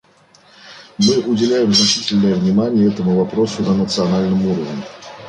Мы уделяем значительное внимание этому вопросу на национальном уровне.